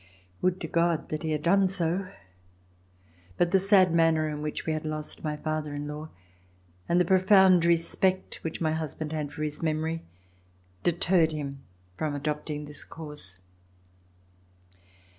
Would to God that he had done so! But the sad manner in which we had lost my father in law and the profound respect which my husband had for his memory deterred him from adopting this course.